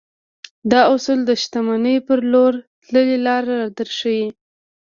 دا اصول د شتمنۍ پر لور تللې لاره درښيي.